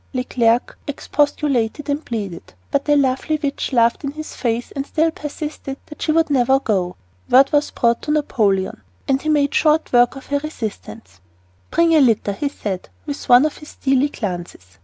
Leclerc expostulated and pleaded, but the lovely witch laughed in his face and still persisted that she would never go. Word was brought to Napoleon. He made short work of her resistance. "Bring a litter," he said, with one of his steely glances.